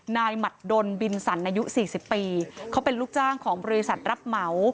หมัดดนบินสันอายุ๔๐ปีเขาเป็นลูกจ้างของบริษัทรับเหมา